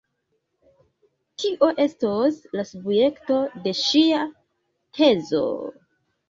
Tio estos la subjekto de ŝia tezo...